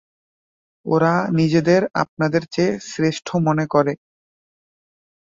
ওরা নিজেদের আপনাদের চেয়ে শ্রেষ্ঠ মনে করে।